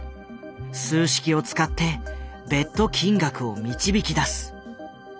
数式を使ってベット金額を導き出す。